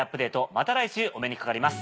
また来週お目にかかります。